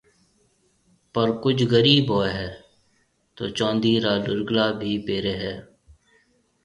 پر ڪجه غرِيب هوئي هيَ تو چوندِي را ڏورگلا بي پيري هيَ۔